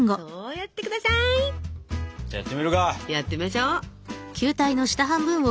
やってみましょう。